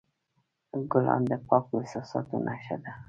ګلان د پاکو احساساتو نښه ده.